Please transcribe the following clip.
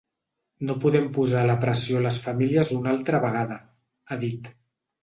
No podem posar la pressió a les famílies una altra vegada, ha dit.